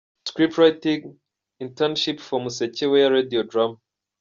Scriptwriting Internship for Musekeweya Radio Drama.